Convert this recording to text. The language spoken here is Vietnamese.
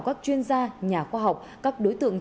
các chuyên gia nhà khoa học các đối tượng